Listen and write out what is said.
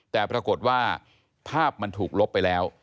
แต่ปรากฏว่าภาพมันถูกลบไปแล้ว